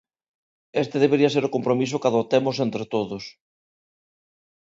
Este debería ser o compromiso que adoptemos entre todos.